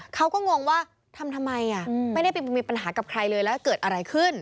งงว่าทำทำไมไม่ได้ไปมีปัญหากับใครเลยแล้วเกิดอะไรขึ้น